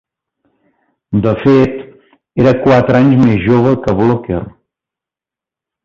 De fet, era quatre anys més jove que Blocker.